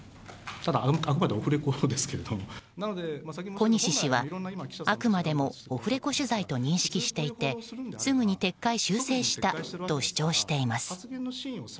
小西氏は、あくまでもオフレコ取材と認識していてすぐに撤回・修正したと主張しています。